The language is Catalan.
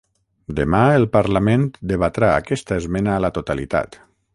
Demà el parlament debatrà aquesta esmena a la totalitat.